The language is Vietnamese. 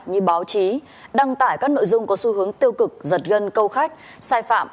như báo chí đăng tải các nội dung có xu hướng tiêu cực giật gân câu khách sai phạm